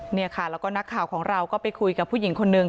เนี่ยค่ะแล้วก็นักข่าวของเราก็ไปคุยกับผู้หญิงคนนึง